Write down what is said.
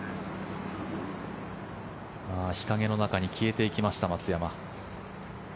日陰の中に消えていきました松山。